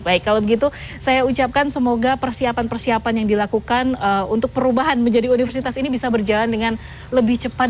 baik kalau begitu saya ucapkan semoga persiapan persiapan yang dilakukan untuk perubahan menjadi universitas ini bisa berjalan dengan lebih cepat